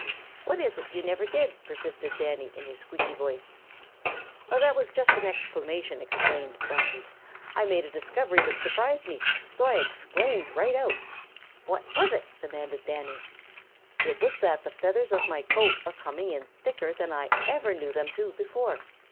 "What is it you never did?" persisted Danny, in his squeaky voice. "That was just an exclamation," explained Blacky. "I made a discovery that surprised me so I exclaimed right out." "What was it?" demanded Danny. "It was that the feathers of my coat are coming in thicker than I ever knew them to before.